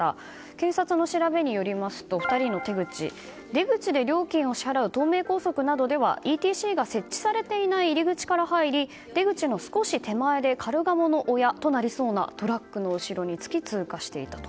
警察の調べによりますと２人の手口は出口で料金を支払う東名高速などではＥＴＣが設置されていない入り口から入り出口の少し手前でカルガモの親となれそうなトラックの後ろにつき通過していたと。